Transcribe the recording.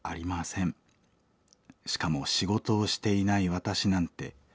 しかも仕事をしていない私なんて。